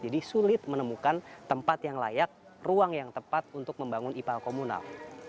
jadi sulit menemukan tempat yang layak ruang yang tepat untuk membangun ipa komunal